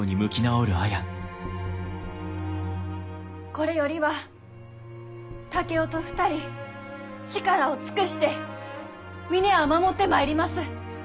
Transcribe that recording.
これよりは竹雄と２人力を尽くして峰屋を守ってまいります。